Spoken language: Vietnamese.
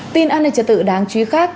tin an ninh trật tự đáng chú ý khác